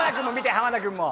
濱田君も。